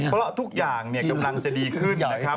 เพราะทุกอย่างกำลังจะดีขึ้นนะครับ